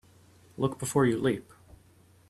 Look before you leap.